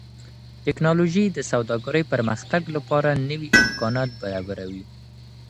ټکنالوژي د سوداګرۍ پرمختګ لپاره نوي امکانات برابروي.